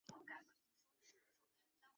后于嘉靖三十九年时遭到裁撤。